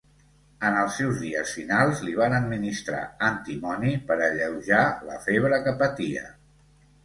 En els seus dies finals li van administrar antimoni per alleujar la febre que patia.